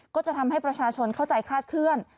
ก็จะทำให้ประชาชนเข้าใจคลาดเคลื่อน